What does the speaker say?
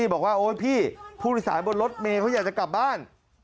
บอกว่าโอ๊ยพี่ผู้โดยสารบนรถเมย์เขาอยากจะกลับบ้าน